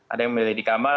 ada yang memilih di kamar